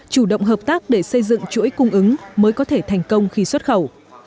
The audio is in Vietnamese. chủ động hợp tác để xây dựng chuỗi cung ứng mới có thể thành công khi xuất khẩu